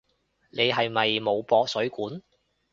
你係咪冇駁水管？